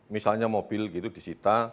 misalnya mobil gitu disita